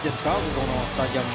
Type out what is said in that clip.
このスタジアム。